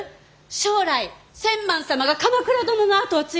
将来千幡様が鎌倉殿の跡を継いだら。